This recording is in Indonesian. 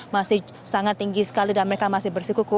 masih sangat tinggi sekali dan mereka masih bersikuku